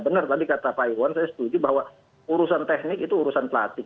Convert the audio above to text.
benar tadi kata pak iwan saya setuju bahwa urusan teknik itu urusan pelatih